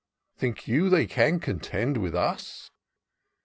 Think you they can contend with us